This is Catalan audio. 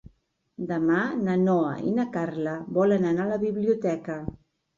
Demà na Noa i na Carla volen anar a la biblioteca.